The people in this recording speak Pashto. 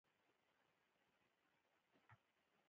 تودوخه د افغانستان د اجتماعي جوړښت یوه برخه ده.